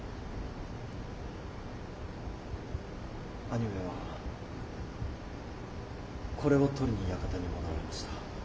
兄上はこれを取りに館に戻られました。